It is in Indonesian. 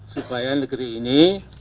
supaya negeri ini